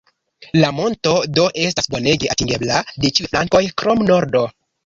La monto do estas bonege atingebla de ĉiuj flankoj krom nordo.